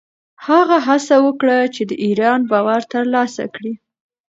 هغه هڅه وکړه چې د ایران باور ترلاسه کړي.